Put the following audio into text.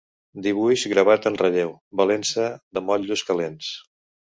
Dibuix gravat en relleu, valent-se de motllos calents.